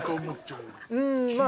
うーんまあ